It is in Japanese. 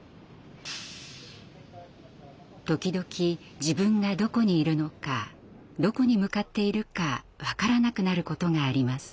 時々自分がどこにいるのかどこに向かっているか分からなくなることがあります。